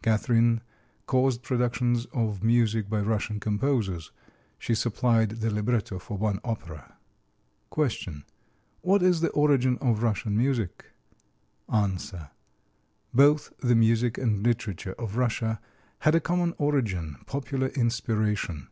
Catherine caused productions of music by Russian composers. She supplied the libretto for one opera. Q. What is the origin of Russian music? A. Both the music and literature of Russia had a common origin popular inspiration.